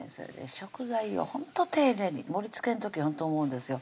食材をほんと丁寧に盛りつけの時ほんと思うんですよ